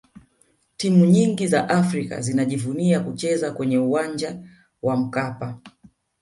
timu nyingi za afrika zinajivunia kucheza kwenye uwanja wa mkapa